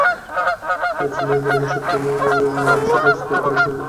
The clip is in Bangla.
হাবশার ন্যায়পরায়ন ও সৎকর্মপরায়ন বাদশা নাজ্জাশীর আশ্রয়ে তারা অবস্থান করলেন।